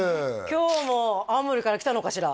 今日も青森から来たのかしら？